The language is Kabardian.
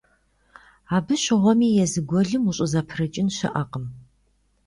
Абы щыгъуэми езы гуэлым ущӀызэпрыкӀын щыӀэкъым.